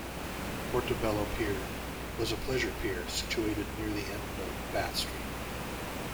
Portobello Pier was a pleasure pier situated near the end of Bath Street.